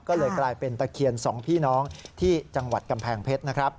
ก็เลยกลายเป็นตะเคียนสองพี่น้องที่จังหวัดกำแพงเพชรนะครับ